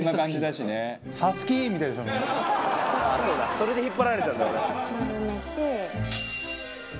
それで引っ張られたんだ俺。